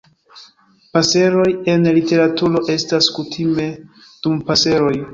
Paseroj en literaturo estas kutime Dompaseroj.